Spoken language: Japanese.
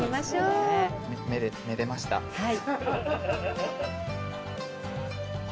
はい。